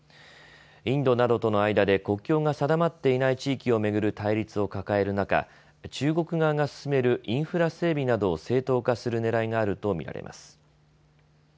インドなどとの間で国境が定まっていない地域を巡る対立を抱える中、中国側が進めるインフラ整備などを正当化するねらいがあると見られます。